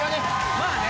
まあね。